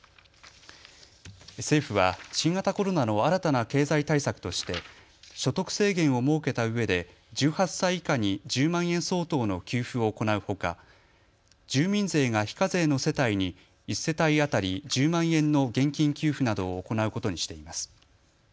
政府は新型コロナの新たな経済対策として所得制限を設けたうえで１８歳以下に１０万円相当の給付を行うほか住民税が非課税の世帯に１世帯当たり１０万円の現金給付などを行うことにしています。